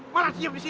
malah diem disini